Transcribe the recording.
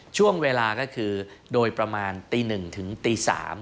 ช่วงเวลาก็คือโดยประมาณตี๑ถึงตี๓